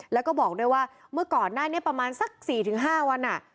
แล้วก็บอกด้วยว่าเมื่อก่อนหน้านี้ประมาณสัก๔๕วัน